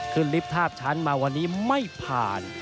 ขึ้นลิปภาพฉันมาวันนี้ไม่ผ่าน